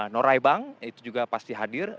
norai bank itu juga pasti hadir